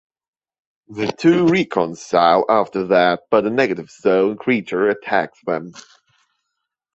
The two reconcile after that, but a Negative Zone creature attacks them.